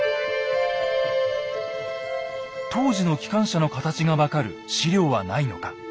当時の機関車の形が分かる史料はないのか。